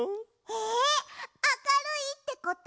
えあかるいってことはでんき？